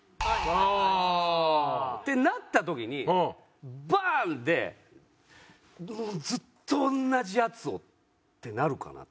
ああー！ってなった時にバーンで「ずっと！おんなじやつを！」ってなるかな？